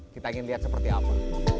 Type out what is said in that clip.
kita ingin lihat seperti apa